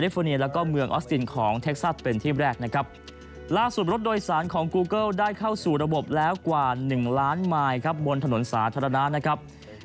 เปิดให้บริการทางถนนสาธารณะนะครับ